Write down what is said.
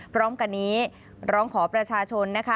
พร้อมกันนี้ร้องขอประชาชนนะคะ